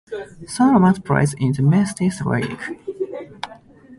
Salamat plays in the Mestis league.